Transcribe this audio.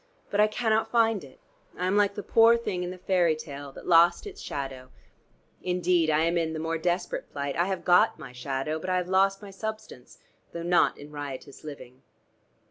But I cannot find it. I am like the poor thing in the fairy tale, that lost its shadow. Indeed I am in the more desperate plight, I have got my shadow, but I have lost my substance, though not in riotous living."